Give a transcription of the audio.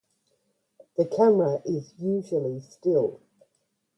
The camera is usually still.